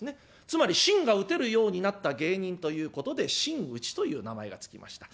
つまりしんが打てるようになった芸人ということで真打という名前が付きました。